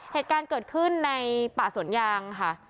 เหตุการณ์เกิดขึ้นในป่าสวนยางค่ะ